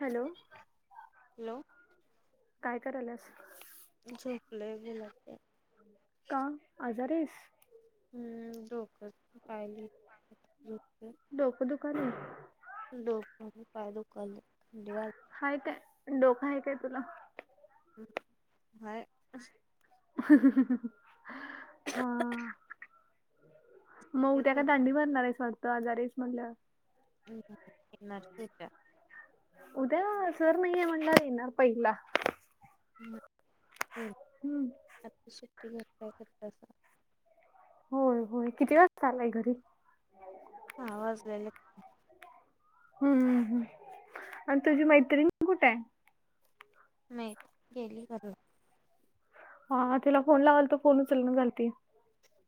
Hello, hello,, काय कराल्यास? झोपलोय, बोला की? का? आजार आहेस. हम्म,, डोकच दुकायलय झोपलोय. द डोकं दुखायलय,, थंडी वाजाल्या हाय काय? डोक आहे काय तुला? हय हा मऊ त्या तेच का दांडी भरणार आहेच वाटतं आजारच म्हटलं. ह नचट उद्या सर् नाहीय म्हणणा येणारार पहिला ह, हो हम्म, शेट्टी कर,, काय करत्यास बग होय, होय, किती वाजता आलाय घरी? हा,, आवाज याल हम्म,,, आणि तुझी मैत्रिणी कुठे य? नाही,, गेली घरला. हां, तिला फोन लावल तो, फोन उचलना झालती.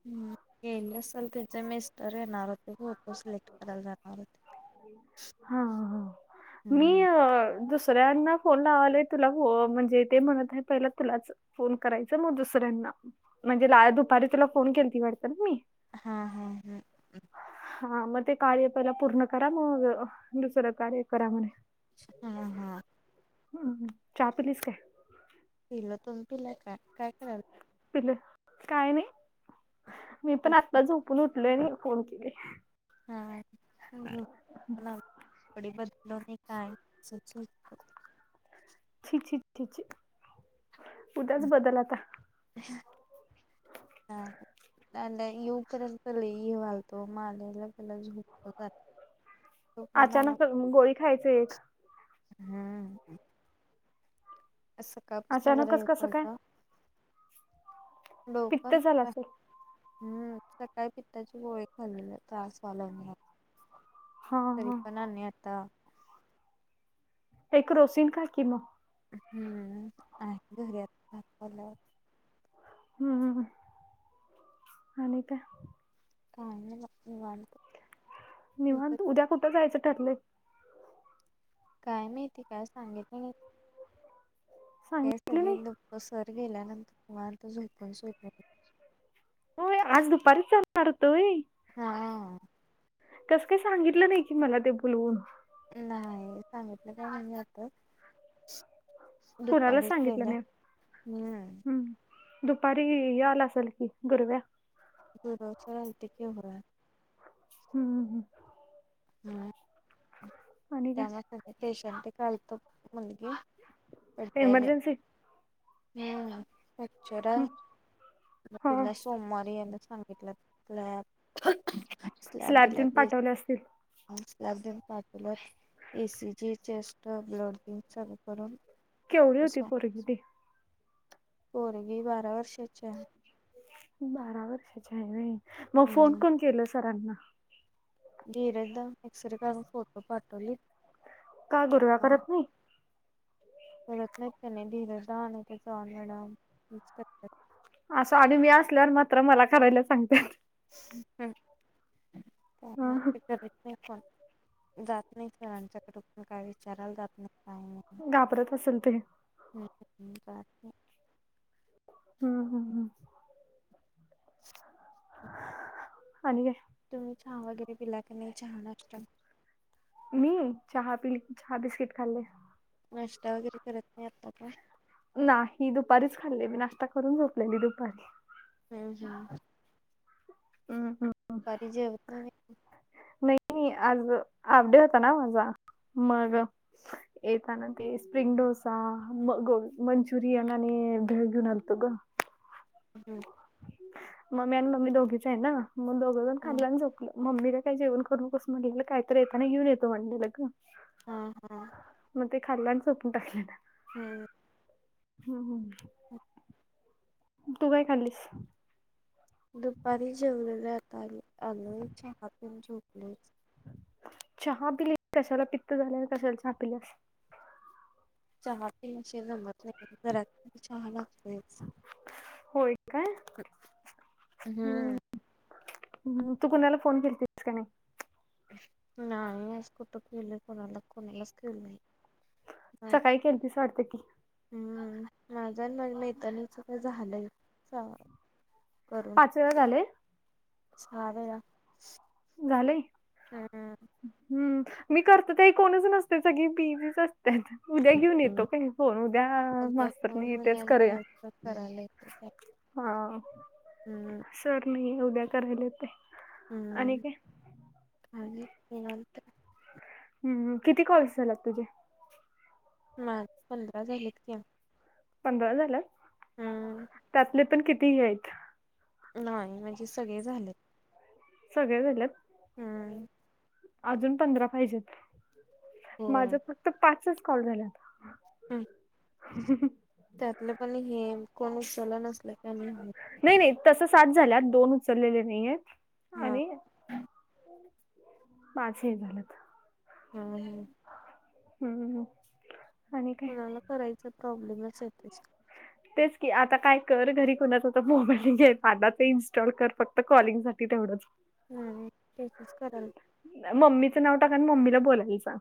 हम्,, गेले असल त्याचे मिस्टर येणार होते,, फोटो सिलेक्ट करायला जाणार होते. हा,, ह, मी,, हम्म दुसऱ्यांना फोन लावालोय तुला,, म्हणजे ते म्हणत आहे, पहिला तुलाच फोन करायचां मग दुसऱ्यांना म्हणजे लाळ दुपारी तुला फोन केल ती वाटत ना मी. हा, हा, हा हा,, मग ते कार्य पयला पूर्ण करा,, मग दुसरं कार्य करा म्हनायल. हा हा हम्म चहा पिलीस काय? पिलो तुम पिला का काय कराल? पिलं काय नाही मी पण आत्ता झोपून उठल आणि फोन केले. हाडी बदल नाही कायच? छ उद्याच बदल आता? हा अ येऊपर्यंत पला ये घलतो मालेला पला झोपतो ज. तू कोणाला अचानक गोळी खायचं एक हम्म असं कापस न जरा अचानकच कसं काय यलता. पित्त डोकं. झालं असेल हम्म सकाळी पित्ताचे गोळे खाल्ले त्रास वालवण्या. हा तरी हा पण आता एक रोशीन काय किम हम्म आणि घरीतलं. हम्म आणि का? काही वा निवांत. निवांत उद्या कुठं जायचं ठरलंय? काय माहिती काय सांगितलं? नाही का सांगितलं सगळे नाही दु सर गेल्यानंतर तुम्हालाता झोपून सुट हो आज दुपारीच चालणार होतोय. हा कसं काही सांगितलं नाही की मला ते बोलवून. नाही सांगितलं का नाही आता. कोणाला दुपारी सांगितलं नाही [unintelligible] हम्म हम्म दुपारी याला असेल की गुरव्या. [unintelligible] हम् हम ह आणि त्या [unintelligible] हम काय एमर्जन्सी हा [unintelligible] सोमवारी यांना सांगितलं लॅब. स्लॅब दिले देऊन ते पाठवले असतील [unintelligible] चेस्ट ब्लड [inaudible] करून केवढी होती तसं पोरगी ती? पोरगी बारा वर्षाची आहे. बारा वर्षाच्या आहे होय. मग फोन हम्म कोण केलं सरांना? धीरज दा एक्सरे करून फोटो पाठवली. का गुरव्या करत नाही? कळत नाहीत त्यां नाही धीरज दा नाहीये चव्हाण मॅडम [unintelligible] असं आणि मी असल्यावर मात्र मला करायला सांगते. हम् पण [unintelligible] जात नाही सरांच्या कड काय विचारायला जात नाही काय नाही. घाबरत असेल ते. ह् बा हम्म हम् हम् [unintelligible] आणि काय? तुम्ही हा वगैरे पिला क नाही हाान असत मी चहा पि चहा बिस्किट खाल्ले नाष्टा वगैरे करत नाही आता का नाही दुपारीच खाल्लेली नाश्ता करून झोपलेली दुपारी ह ह हम् हम ह दुपारी जेवत नाही व्हय? नाही आज हाफडे होता ना माझा मग येताना ते स्प्रिंग डोसा म ग मंचुरियन आणि भेळ घेऊन आलतो ग ह हम मम्मी आणि मी दोघीच आहे ना मग दोघंजण हम्म खाल्लं आणि झोपलं मम्मीला काय जेवण करू नकोस म्हणलं काय तर येताना घेऊन येतो म्हणलं ग हा हा मग ते खाल्ल्या आणि झोपून टाकल ना हम् ह हो हो ह तू काय खालीस दुपारी जेवलेल्या आ आल्यावर चहा पिऊन झोपले चहा पिलेस कशाला पित्त झाले कशाला चहा पिल्यास चहा पिल्या शिवाय जमत नाही, घरात चहा लागतोयचं. होय, काय? हम्मम! हम्म हम तू कुणाला फोन केलतीस का नाही? नाही, आज कुठं केेलोय, कुणाला कुणालाचं केेलो नाही. सकाळी केलतीस वाटतय की, हम्म माझा आणि माझ्या मैत्रीणच ते झालंय सहा वेळा करून. पाच वेळा झालंय. सहा वेळा. झालंय? हम्म! मी करतो काय कोणच नसते सगळी बीझीच असत्यात उद्या घेऊन, येतो काय? होय, उद्या अगदी फोन मास्तरनी घेऊन तेच याल करूया दिवसभर करायला येते ते हा. हम्म! सर नाही उद्या करायला येतयं, आणि काय? काय नाही निवांत. ह ह किती कॉल्स झालेत तुझे? माझ पंधरा झालेत की. पंधरा झालेत, हम्म त्यातले पण किती हे आहेत. नाही, म्हणजे सगळे झालेत. सगळे झालेत. हम अजून पंधरा पाहिजेत, माझ होय फक्त पाचचं कॉल झाल्यात. हम्म! अ ह ह त्यातलं पण, हे कोण उचल नसलं की आणि नाही नाही तस सात झाल्यात, दोन उचललेले नाही आहेत हा आणि पाच हे झालेत. ह ह ह ह कोणाला करायचा प्रॉब्लेमच येतोय तेच की, आता काय कर? घरी कोणाचा तर मोबाईल घे आता ते इन्स्टॉल कर फक्त. त कॉलिंग साठी तेवढंच. नाही नाही तेचच करालोय. मम्मीचं नाव टाक, आणि मम्मीला बोलायला सांग.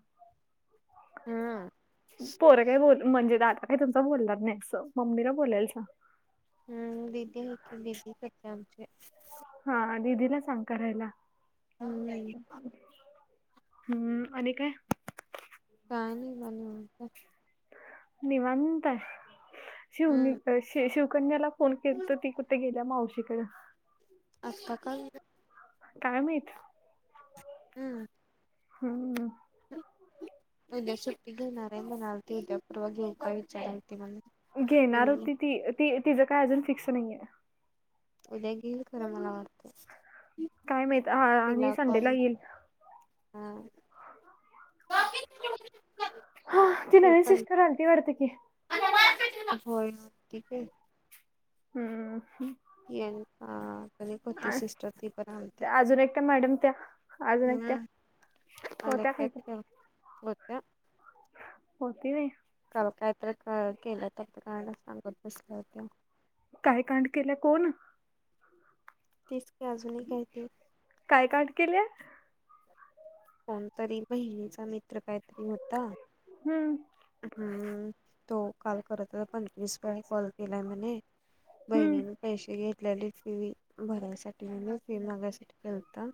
हम्म पोर काय बोलू म्हणजे द मी तुमचं बोलणार नाही, असं मम्मीला बोलायला सांग. ह ह दिदी हाय की दिदी करत्या आमची. हा दिदीला सांग करायला? हम्म हम्म! आणि काय? काय नाही मग निवांत आहे. निवांताय हम्म शिवनी-शि- शिवकन्याला फोन केलतो ती कुठे गेल्या? त्या मावशीकड. आता का [unintelligible] काय माहित. हम्म! ह अह उद्या सुट्टी घेणार आहे म्हणालती, उद्या परवा घेऊ काय विचारालती मला. घेणार म्हणले होती, ती ती तिचं काय अजून फिक्स नाहीये. उद्या घेईल खरं मला वाटतं? काय माहीत आ- आणि संडे ला घेईल. हा [unintelligible] हा ती नवीन सिस्टर आलती वाढतं की, [inaudible] होय ठीक हे. हम्म हम्म. हा एक होती सिस्टर ती पण आलती. अजून एकट्या मॅडम त्या अजून एकट्या हम्म. होत्या काय आलत्या की त्या होत्या. होती व्हय? काल काही तर केल्यात वाढत ते कांड सांगत बसल्या होत्या. काय कांड केलंय कोण? तीच का अजून ऐक आहे काय ती? काय कांड केल्या? कोणतरी बहिणीचा मित्र काहीतरी होता. हम्म. हम्म. तो काल करत पंचवीस वेळा कॉल केलाय म्हणे. हम्म बहिणीने पैसे घेतलेले फी भरायसाठी म्हणून फी मागायसाठी केलता.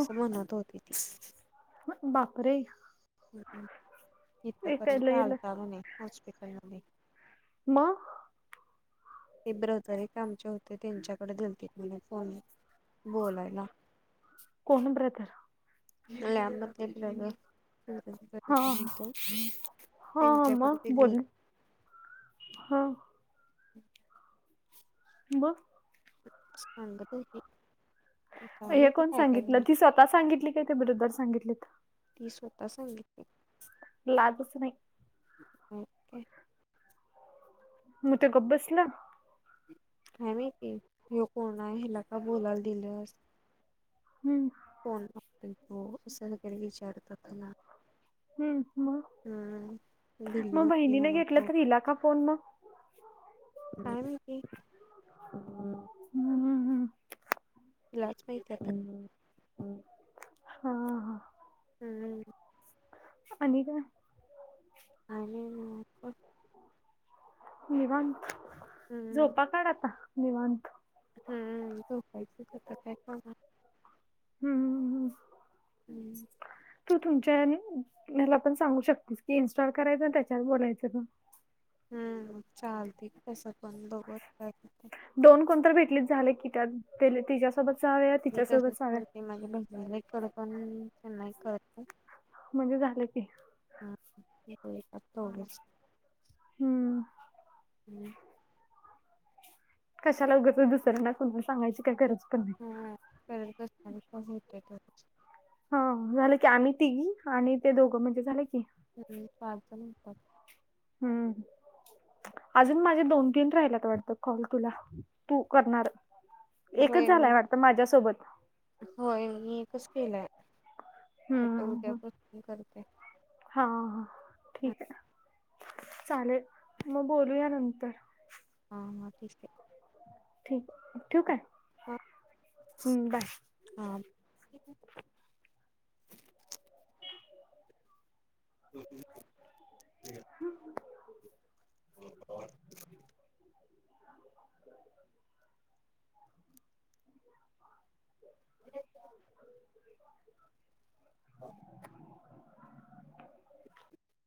असं म्हणत होती ती. बापरे! ऐकायला इथपर्यंत येल आलता म्हणे हॉस्पिटल मध्ये. म ते ब्रदर एक आमचे होते त्यांच्याकडे दिलती म्हण फोन बोलायला. कोण ब्रदर? लॅब मध्ये ब्रदर हा [inaudible] त हा मग त्यांच्याकडे दिली. बोलली हा. [unintelligible] म? सांगत होती. काय हे माहिती कोण काय काय सांगितलं झालं ती स्वतः सांगितली काय ते ब्रदर सांगितलीत? ती स्वतः सांगितली. लाजच नाही. [unintelligible] मग ते गप बसलं? काय माहिती हे कोण ह्याला का बोलायला दिलस? हम्म. कोण तो असं वगैरे विचारतात तिला? हम्म मग हम्म. भिल्ली होती म्हण खू तिला का फोन मग? काय हम्म माहिती हम्म हम्म. तिलाच माहिती आता हम्म हम्म. हा हा. हम्म. आणि काय? आणि न निवांत हम्म झोपा काढ आता निव हम्म. झोपायची की आता काय काम हाय? हम्म हम्म. हम्म. तू तुमच्या ह्याला पण सांगू शकतेस की इन्स्टॉल करायच त्याच्यावर बोलायचं ग. हम्म. चालतय की तसं पण बघू आता काय हुतंय. दोन कोण तर भेटलीत झाल की त्यात तिच्यासोबत सहा वेळा तिच्यासोबत सहा वेळा. ये नाही बाई. खरं पण नाही कळत. म्हणजे झालं की. हम ते हो ग [unintelligible] हूं! हूं! कशाला ऊगचच, दुसऱ्यांना कुणाल सांगायची काय गरज पन नाही. हा करत असताना पण [unintelligible] हा झालं की, आम्ही तिघी, आणि ते दोघं, म्हणजे झालं की हम्म पाच जण म्हणतात. [unintelligible] हूं अजून माळ ते दोन, तीन राहिल्यात वाटत कॉल तुला, तू करणार एकच होय मी झालाय वाट त माझ्यासोबत होय मी एकच केलाय, आता उद्या हम्म पण [unintelligible] करते. हा ह हा ठीक आहे, चालेल म बोलूया नंतर हां हा ठीक हे. ठीक ठिऊ काय हूं बाय. हांम. [inaudible] हूं! ब [unintelligible] [inaudible] [inaudible]